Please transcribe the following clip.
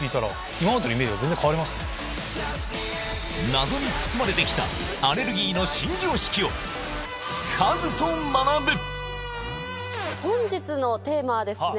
謎に包まれてきたアレルギーの新常識を本日のテーマはですね